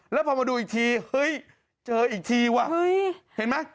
แล้วพอมาดูอีกทีเฮ้ยเจออีกทีว่ะเห็นไหม